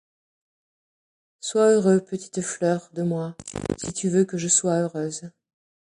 Sois heureux, petite fleur de moy, si tu veulx que ie sois heureuse.